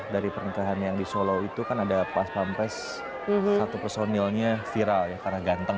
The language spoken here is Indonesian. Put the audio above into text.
dari pernikahan yang di solo itu kan ada pas pampres satu personilnya viral ya karena ganteng